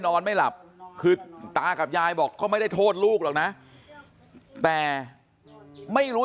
นอนไม่หลับคือตากับยายบอกก็ไม่ได้โทษลูกหรอกนะแต่ไม่รู้